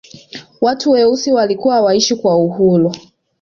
watu weusi walikuwa hawaishi kwa uhuru